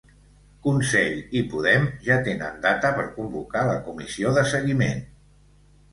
Consell i Podem ja tenen data per convocar la comissió de seguiment